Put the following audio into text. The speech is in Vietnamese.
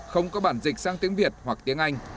không có bản dịch sang tiếng việt hoặc tiếng anh